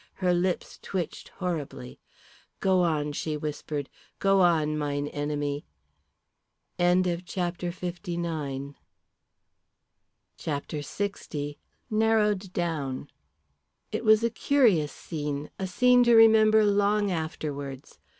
Her lips twitched horribly. "Go on," she whispered. "Go on, mine enemy." CHAPTER LX. NARROWED DOWN. It was a curious scene, a scene to remember long afterwards.